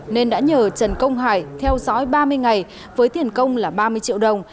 nên đã nhờ trần công hải theo dõi ba mươi ngày với tiền công là ba mươi triệu đồng